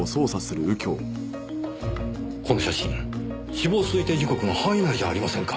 この写真死亡推定時刻の範囲内じゃありませんか。